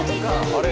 「あれ？